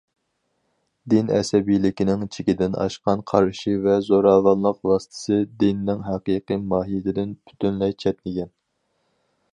دىن ئەسەبىيلىكىنىڭ چېكىدىن ئاشقان قارىشى ۋە زوراۋانلىق ۋاسىتىسى دىننىڭ ھەقىقىي ماھىيىتىدىن پۈتۈنلەي چەتنىگەن.